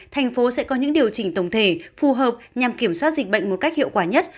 thành phố sẽ có những điều chỉnh tổng thể phù hợp nhằm kiểm soát dịch bệnh một cách hiệu quả nhất